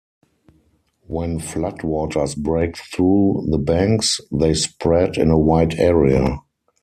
When floodwaters break through the banks, they spread in a wide area.